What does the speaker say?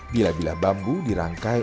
bila bila bambu dirangkai